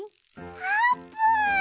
あーぷん！